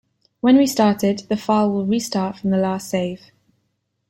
When restarted, the file will restart from the last save.